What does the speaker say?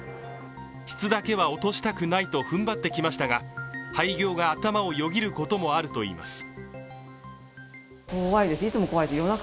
質だけは落としたくないとふんばってきましたが、廃業が頭をよぎることもあるといいます。